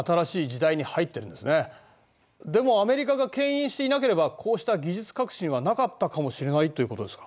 でもアメリカがけん引していなければこうした技術革新はなかったかもしれないということですか。